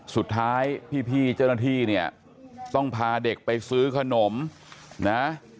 สุดท้ายพี่เจ้าหน้าที่เนี่ยต้องพาเด็กไปซื้อขนมนะ